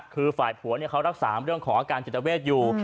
คือฝ่ายผัวเขารักษาเรื่องของอาการจิตเวทอยู่